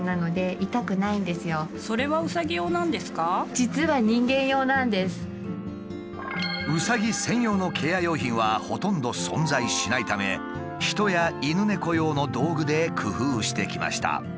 実はうさぎ専用のケア用品はほとんど存在しないため人や犬猫用の道具で工夫してきました。